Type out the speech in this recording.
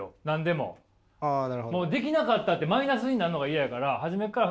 もうできなかったってマイナスになるのが嫌やからなるほど。